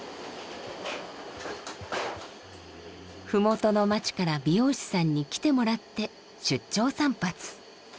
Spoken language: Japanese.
麓の町から美容師さんに来てもらって出張散髪。